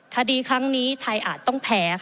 คดีครั้งนี้ไทยอาจต้องแพ้ค่ะ